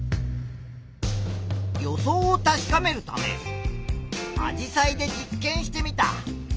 予想を確かめるためアジサイで実験してみた。